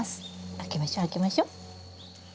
開けましょ開けましょ。